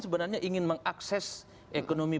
sebenarnya ingin mengakses ekonomi